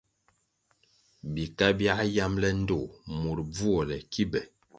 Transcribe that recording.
Bika biā yambʼle ndtoh mur bvuole ki be.